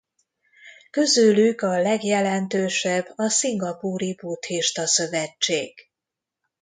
Közülük a legjelentősebb a Szingapúri Buddhista Szövetség.